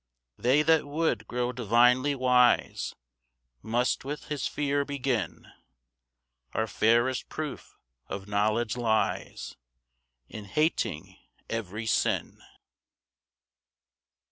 4 They that would grow divinely wise Must with his fear begin; Our fairest proof of knowledge lies In hating every sin.